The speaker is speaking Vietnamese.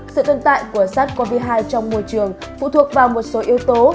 sự tồn tại của sars cov hai trong môi trường phụ thuộc vào một số yếu tố